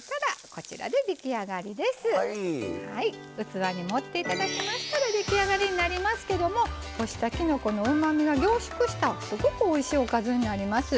器に盛っていただきましたら出来上がりになりますけども干したきのこのうまみが凝縮したすごくおいしいおかずになります。